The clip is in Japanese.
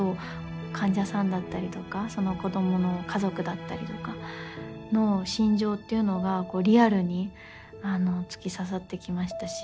患者さんだったりとかその子供の家族だったりとかの心情っていうのがリアルに突き刺さってきましたし。